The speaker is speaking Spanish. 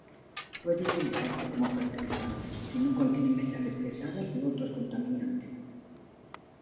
Puede utilizarse como fertilizante si no contiene metales pesados u otros contaminantes.